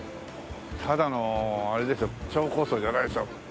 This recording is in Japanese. ただのあれですよ超高層じゃないですよ。